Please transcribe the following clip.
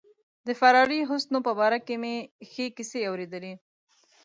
د فراري حسنو په باره کې مې ښې کیسې اوریدلي.